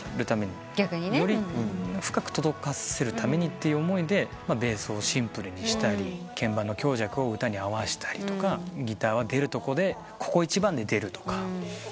逆にね。より深く届かせるためにって思いでベースをシンプルにしたり鍵盤の強弱を歌に合わしたりとかギターは出るとこでここ一番で出るとか。